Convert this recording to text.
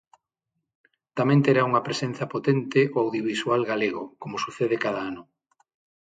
Tamén terá unha presenza potente o audiovisual galego, como sucede cada ano.